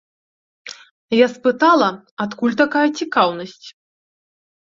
Я спытала, адкуль такая цікаўнасць.